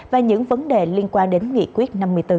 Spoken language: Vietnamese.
và những vấn đề liên quan đến nghị quyết năm mươi bốn